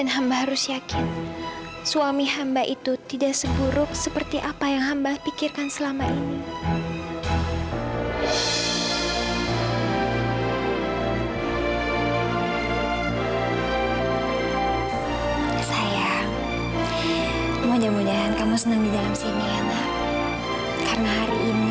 sampai jumpa di video selanjutnya